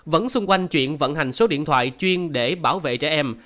vẫn xung quanh chuyện vận hành số điện thoại chuyên để bảo vệ trẻ em